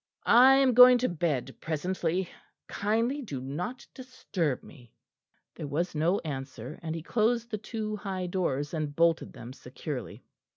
"I am going to bed presently. Kindly do not disturb me." There was no answer; and he closed the two high doors and bolted them securely.